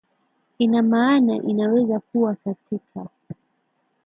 ina maana inaweza kuwa katika